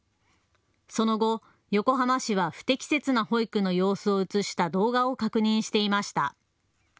その後、横浜市は不適切な保育の様子を映した動画を確認していました。